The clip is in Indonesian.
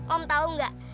om tahu nggak